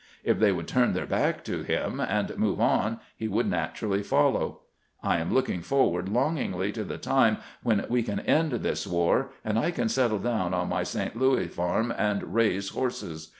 If they would turn their back to him and move on he would naturally fol low. I am looking forward longingly to the time when we can end this war, and I can settle down on my St. Louis farm and raise horses.